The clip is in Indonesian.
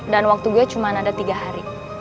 dan waktu gue cuma ada tiga hari